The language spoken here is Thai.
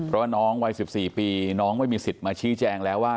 เพราะว่าน้องวัย๑๔ปีน้องไม่มีสิทธิ์มาชี้แจงแล้วว่า